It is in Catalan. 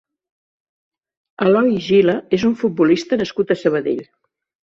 Eloy Gila és un futbolista nascut a Sabadell.